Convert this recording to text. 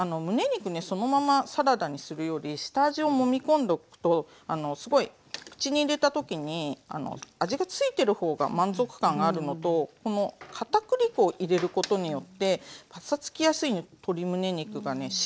むね肉ねそのままサラダにするより下味をもみ込んどくとすごい口に入れた時に味がついてる方が満足感があるのとこのかたくり粉を入れることによってパサつきやすい鶏むね肉がね